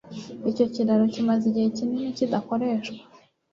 Icyo kiraro kimaze igihe kinini kidakoreshwa.